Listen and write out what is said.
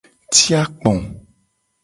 Ci akpo.